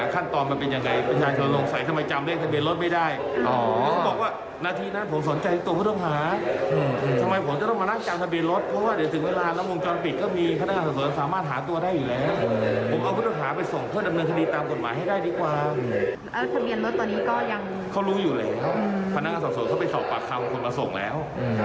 เขาไปสอบปากคำคนมาส่งแล้ว